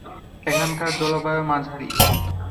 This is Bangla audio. এখানকার জলবায়ু মাঝারি।